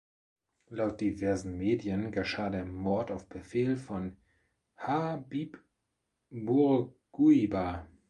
Laut diversen Medien geschah der Mord auf Befehl von Habib Bourguiba.